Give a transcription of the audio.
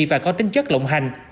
và có tính chất lộng hành